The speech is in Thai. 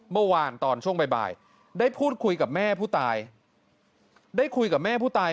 เมื่อวานตอนช่วงบ่ายได้พูดคุยกับแม่ผู้ตายได้คุยกับแม่ผู้ตาย